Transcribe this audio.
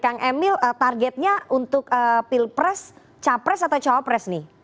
kang emil targetnya untuk pilpres capres atau cawapres nih